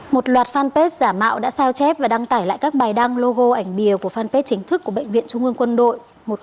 một loạt fanpage giả mạo đã sao chép và đăng tải lại các bài đăng logo ảnh bìa của fanpage chính thức của bệnh viện trung ương quân đội một trăm một mươi hai